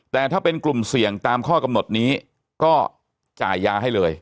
แต่ถ้าเป็นกลุ่มเสี่ยงตามข้อกำหนดนี้ก็จ่ายยาให้เลย